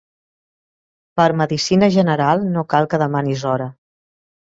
Per medicina general no cal que demanis hora.